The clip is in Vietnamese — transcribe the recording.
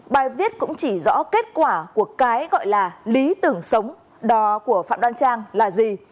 bài viết cũng chỉ rõ kết quả của cái gọi là lý tưởng sống đò của phạm đoan trang là gì